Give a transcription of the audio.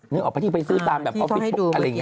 นึกออกปะที่ไปซื้อตามออฟฟิตปุ๊กอะไรอย่างนี้